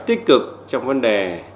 tích cực trong vấn đề